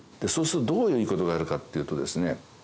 そうするとどういういいことがあるかっていうとですね